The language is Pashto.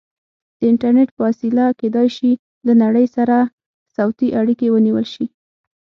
د انټرنیټ په وسیله کیدای شي له نړۍ سره صوتي اړیکې ونیول شي.